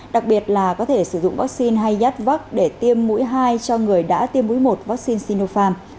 đặc biệt là có thể sử dụng vaccine hay yatvax để tiêm mũi hai cho người đã tiêm mũi một vaccine sinopharm